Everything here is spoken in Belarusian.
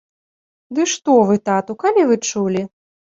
Ды што вы, тату, калі вы чулі?